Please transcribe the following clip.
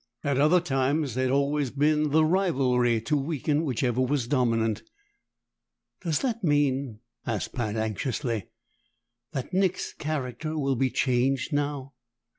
At other times, there'd always been the rivalry to weaken whichever was dominant." "Does that mean," asked Pat anxiously, "that Nick's character will be changed now?"